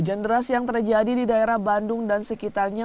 hujan deras yang terjadi di daerah bandung dan sekitarnya